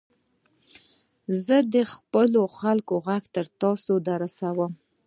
زه د خپلو خلکو ږغ تر تاسي در رسوم.